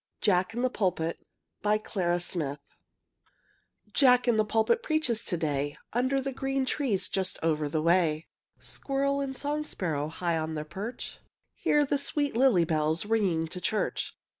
_ JACK IN THE PULPIT Jack in the pulpit Preaches to day, Under the green trees Just over the way. Squirrel and song sparrow, High on their perch, Hear the sweet lily bells Ringing to church.